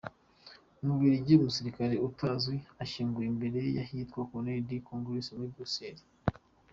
Mu Bubiligi : Umusirikare utazwi ashyinguwe imbere y’ahitwa Colonne du Congrès muri Bruxelles.